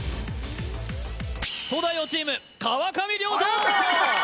東大王チーム川上諒人